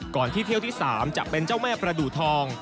ที่เที่ยวที่๓จะเป็นเจ้าแม่ประดูทอง